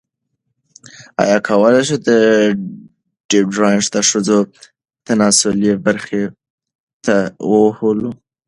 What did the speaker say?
ایا کولی شو ډیوډرنټ د ښځو تناسلي برخو ته ووهلو؟